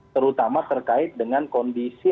terutama terkait dengan kondisi